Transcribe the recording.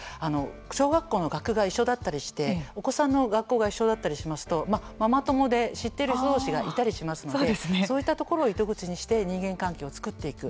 小学校の学区が一緒だったりしてお子さんの学校が一緒だったりしますとママ友で知ってる人同士がいたりしますのでそういったところを糸口にして人間関係をつくっていく。